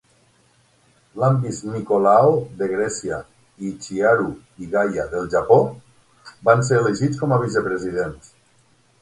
Lambis Nikolaou de Grècia i Chiharu Igaya del Japó van ser elegits com a vicepresidents.